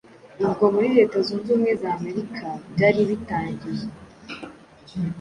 ubwo muri Leta Zunze Ubumwe za Amerika byaribitangiye